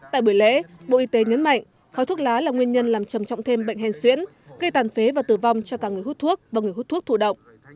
tại buổi lễ bộ y tế nhấn mạnh khói thuốc lá là nguyên nhân làm trầm trọng thêm bệnh hèn xuyễn gây tàn phế và tử vong cho cả người hút thuốc và người hút thuốc thủ động